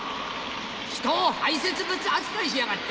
ひとを排泄物扱いしやがって！